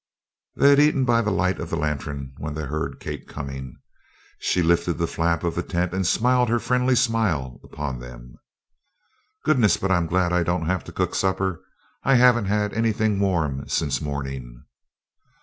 They had eaten by the light of the lantern, when they heard Kate coming. She lifted the flap of the tent and smiled her friendly smile upon them. "Goodness, but I'm glad I don't have to cook supper! I haven't had anything warm since morning."